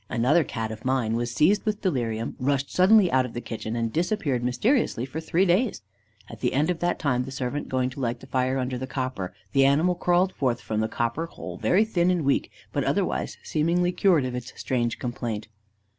Another Cat of mine was seized with delirium, rushed suddenly out of the kitchen, and disappeared mysteriously for three days. At the end of that time, the servant going to light the fire under the copper, the animal crawled forth from the copper hole very thin and weak, but otherwise seemingly cured of its strange complaint.